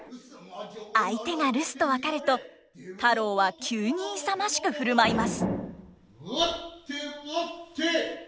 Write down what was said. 相手が留守と分かると太郎は急に勇ましく振る舞います。